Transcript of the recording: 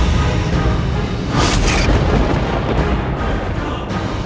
di depan ke arah duit